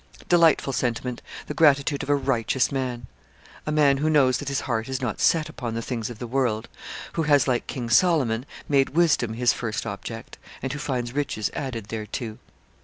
Delightful sentiment, the gratitude of a righteous man; a man who knows that his heart is not set upon the things of the world; who has, like King Solomon, made wisdom his first object, and who finds riches added thereto!